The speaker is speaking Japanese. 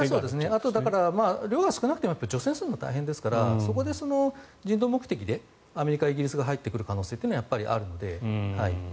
あとは量が少なくても除染するのが大変ですからそこで人道目的でアメリカ、イギリスが入ってくる可能性はやっぱりあるので。